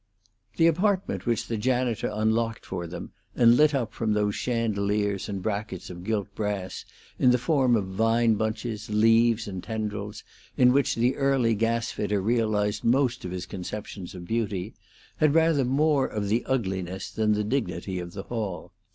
The apartment which the janitor unlocked for them, and lit up from those chandeliers and brackets of gilt brass in the form of vine bunches, leaves, and tendrils in which the early gas fitter realized most of his conceptions of beauty, had rather more of the ugliness than the dignity of the hall.